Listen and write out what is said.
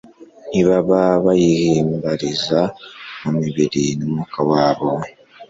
ntibaba bayihimbariza mu mibiri numwuka wabo